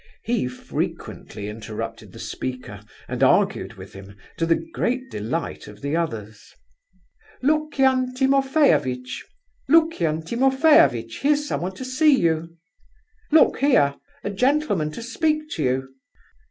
He frequently interrupted the speaker and argued with him, to the great delight of the others. "Lukian Timofeyovitch! Lukian Timofeyovitch! Here's someone to see you! Look here!... a gentleman to speak to you!...